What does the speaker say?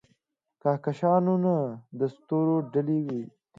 کهکشانونه د ستورو ډلې دي.